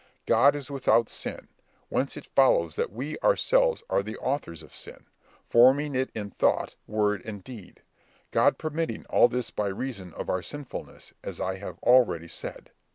God is without sin, whence it follows that we ourselves are the authors of sin, forming it in thought, word, and deed; God permitting all this by reason of our sinfulness, as I have already said.